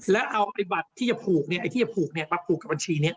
แล้วเอาไอ้บัตรที่จะผูกไอ้ที่จะผูกเนี่ยมาผูกกับบัญชีนี้